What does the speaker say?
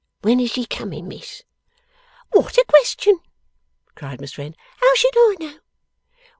When is he coming, Miss?' 'What a question!' cried Miss Wren. 'How should I know!